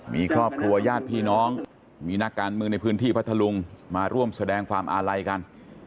มีครอบครัวญาติพี่น้องมีนักการเมืองในพื้นที่พัทธลุงมาร่วมแสดงความอาลัยกัน